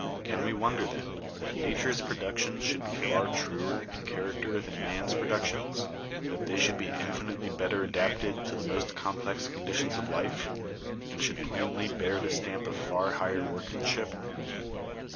Can we wonder, then, that Nature's productions should be far 'truer' in character than man's produc tions; that they should be infinitely better adapted to the most complex conditions of life, and should plainly bear the stamp of far higher workmanship?